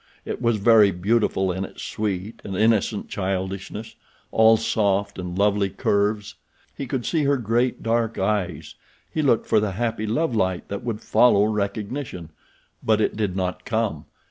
It was very beautiful in its sweet and innocent childishness—all soft and lovely curves. He could see her great, dark eyes. He looked for the happy love light that would follow recognition; but it did not come.